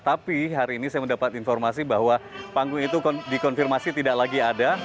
tapi hari ini saya mendapat informasi bahwa panggung itu dikonfirmasi tidak lagi ada